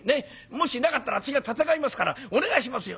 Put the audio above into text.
もしなかったら私が立て替えますからお願いしますよ。